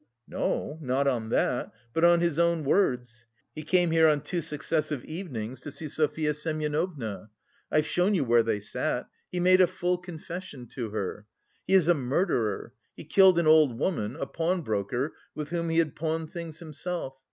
"No, not on that, but on his own words. He came here on two successive evenings to see Sofya Semyonovna. I've shown you where they sat. He made a full confession to her. He is a murderer. He killed an old woman, a pawnbroker, with whom he had pawned things himself.